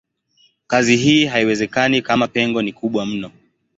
Kazi hii haiwezekani kama pengo ni kubwa mno.